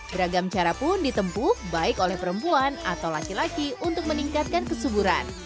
beragam cara pun ditempuh baik oleh perempuan atau laki laki untuk meningkatkan kesuburan